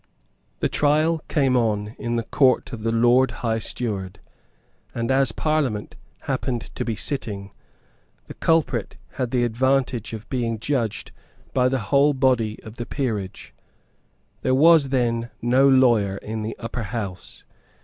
The trial came on in the Court of the Lord High Steward; and, as Parliament happened to be sitting, the culprit had the advantage of being judged by the whole body of the peerage. There was then no lawyer in the Upper House.